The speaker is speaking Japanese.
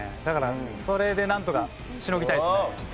だからそれでなんとかしのぎたいですね。